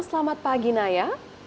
selamat pagi naya